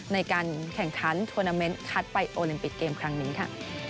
ในการแข่งขันทวนาเมนต์คัดไปโอลิมปิกเกมครั้งนี้ค่ะ